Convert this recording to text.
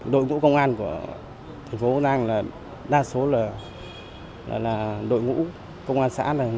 đội ngũ công an của thành phố hồ giang là đa số là đội ngũ công an xã